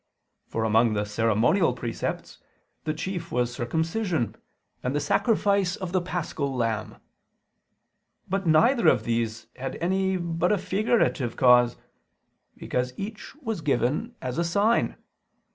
For among the ceremonial precepts, the chief was circumcision and the sacrifice of the paschal lamb. But neither of these had any but a figurative cause: because each was given as a sign.